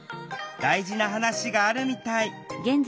大事な話があるみたい。